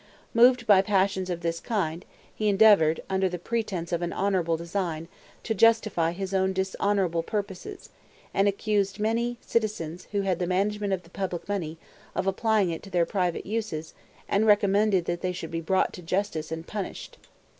Moved by passions of this kind, he endeavored, under the pretense of an honorable design, to justify his own dishonorable purposes, and accused many citizens who had the management of the public money, of applying it to their private uses, and recommended that they should be brought to justice and punished.